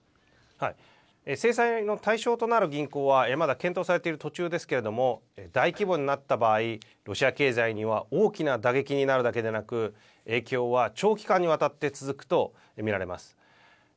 制裁の対象となる銀行はまだ検討されている途中ですけども大規模になった場合ロシア経済には大きな打撃になるだけでなく影響は長期間にわたって続くと見られています。